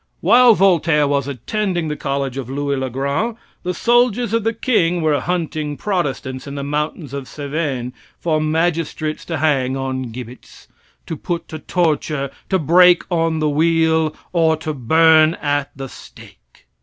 While Voltaire was attending the college of Louis le Grand the soldiers of the king were hunting Protestants in the mountains of Cevennes for magistrates to hang on gibbets, to put to torture, to break on the wheel or to burn at the stake.